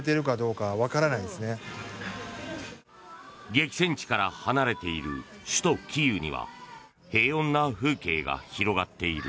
激戦地から離れている首都キーウには平穏な風景が広がっている。